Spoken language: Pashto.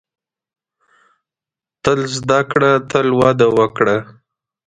• تل زده کړه، تل وده وکړه.